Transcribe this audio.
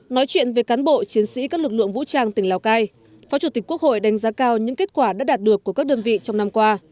nói chuyện về cán bộ chiến sĩ các lực lượng vũ trang tỉnh lào cai phó chủ tịch quốc hội đánh giá cao những kết quả đã đạt được của các đơn vị trong năm qua